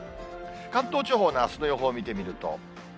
関東地方のあすの予報を見てみると。